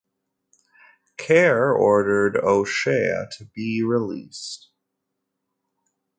Kerr ordered O'Shea to be released.